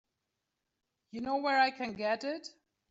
You know where I can get it?